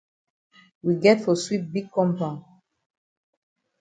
We get for sweep big compound.